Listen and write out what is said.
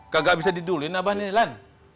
kagak bisa didulin abah nilan